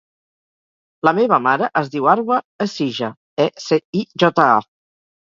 La meva mare es diu Arwa Ecija: e, ce, i, jota, a.